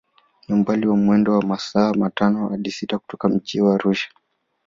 Ni umbali wa mwendo wa masaa matano hadi sita kutoka mji wa Arusha